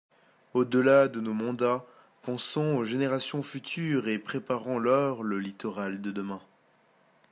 Au-delà de nos mandats, pensons aux générations futures et préparons-leur le littoral de demain.